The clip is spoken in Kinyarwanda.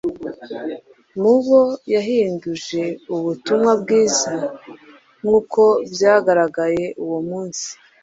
mu bo yahinduje ubutumwa bwiza nk’uko byagaragaye uwo munsi